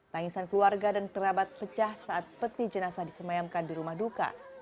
tangisan keluarga dan kerabat pecah saat peti jenazah disemayamkan di rumah duka